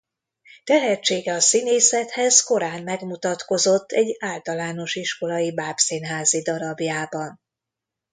Tehetsége a színészethez korán megmutatkozott egy általános iskolai bábszínházi darabjában.